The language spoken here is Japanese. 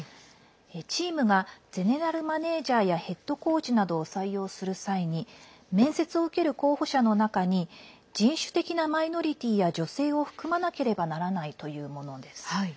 チームがゼネラルマネージャーやヘッドコーチなどを採用する際に面接を受ける候補者の中に人種的なマイノリティーや女性を含まなければならないというものです。